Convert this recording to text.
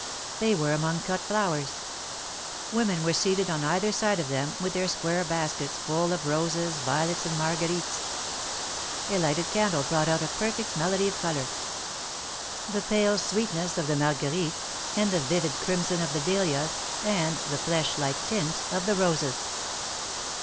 They were among cut flowers. Women were seated on either side of them, with their square baskets full of roses, violets and marguerites. A lighted candle brought out a perfect melody of color — the pale sweetness of the marguerites, and the vivid crimson of the dahlias, and the flesh like tints of the roses.